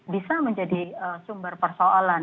bisa menjadi sumber persoalan